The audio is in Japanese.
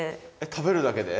食べるだけで。